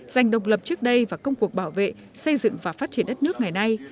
dành độc lập trước đây và công cuộc bảo vệ xây dựng và phát triển đất nước ngày nay